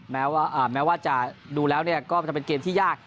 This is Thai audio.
แม้ว่าจะดูแล้วก็จะเป็นเกมที่ยาก